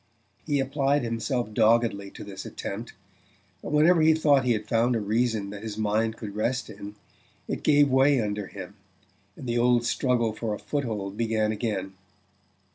He applied himself doggedly to this attempt; but whenever he thought he had found a reason that his mind could rest in, it gave way under him, and the old struggle for a foothold began again.